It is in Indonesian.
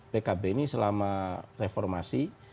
pkb ini selama reformasi